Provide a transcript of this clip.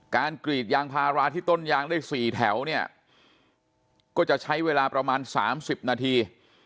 กรีดยางพาราที่ต้นยางได้๔แถวเนี่ยก็จะใช้เวลาประมาณ๓๐นาที